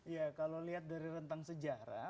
ya kalau lihat dari rentang sejarah